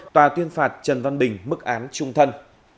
tòa tuyên phạt trần văn bình mức án trung thân